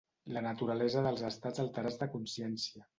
la naturalesa dels estats alterats de consciència